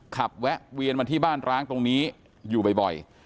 แวะเวียนมาที่บ้านร้างตรงนี้อยู่บ่อย